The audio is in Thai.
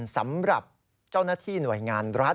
สำหรับเจ้าหน้าที่หน่วยงานรัฐ